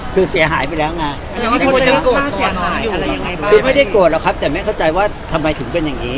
คือไม่ได้กลัวหรอกแต่แม่เข้าใจว่าทำไมถึงเป็นแบบนี้